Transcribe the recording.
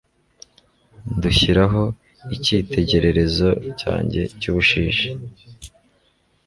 ndushyiraho icyitegererezo cyanjye cy ubushishi